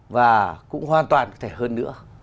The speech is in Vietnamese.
và cũng hoàn toàn có thể hơn nữa